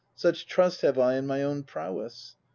tSuch trust have I in my own prowess.